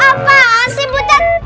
apaan sih butet